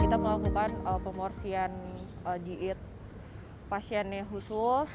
kita melakukan pemorsian diet pasien yang khusus